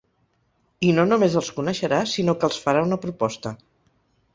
I no només els coneixerà, sinó que els farà una proposta.